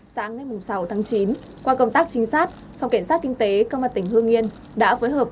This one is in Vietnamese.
sáng ngày sáu tháng chín qua công tác trinh sát phòng kiểm soát kinh tế công mặt tỉnh hương yên đã phối hợp